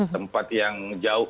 tempat yang jauh